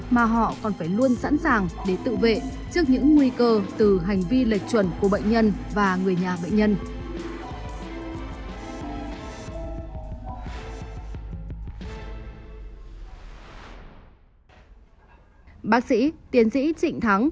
mà họ còn phải luôn sẵn sàng để tự vệ trước những nguy cơ từ hành vi lệch chuẩn của bệnh nhân và người nhà bệnh nhân